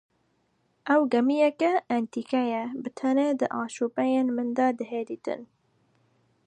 Ew gemîyeke entîkeye bi tinê di aşopeyên min de dihê dîtin